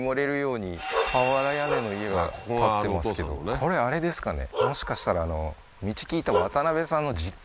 これあれですかね？